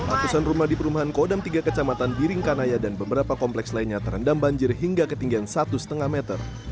ratusan rumah di perumahan kodam tiga kecamatan biring kanaya dan beberapa kompleks lainnya terendam banjir hingga ketinggian satu lima meter